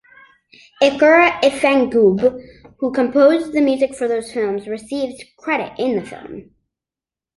Akira Ifukube, who composed the music for those films, receives credit in the film.